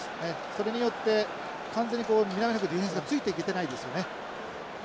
それによって完全に南アフリカのディフェンスがついていけてないですよね。